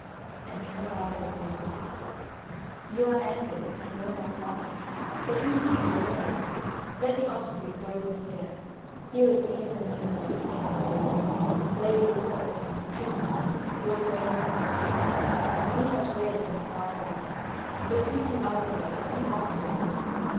And Kariado answered: "You are angered, I know not why, but who heeds your words? Let the Osprey bode me death; here is the evil news the screech owl brings. Lady Iseult, Tristan, your friend is lost to you. He has wed in a far land. So seek you other where, for he mocks your love.